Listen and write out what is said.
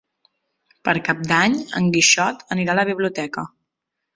Per Cap d'Any en Quixot anirà a la biblioteca.